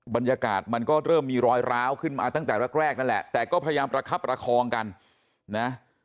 บรรยากาศมันก็เริ่มมีรอยร้าวขึ้นมาตั้งแต่แรกนั่นแหละแต่ก็พยายามประคับประคองกันนะ